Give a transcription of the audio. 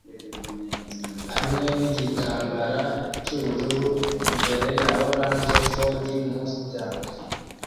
hamwe nigitambara cyubururu imbere ya orange Ford Mustang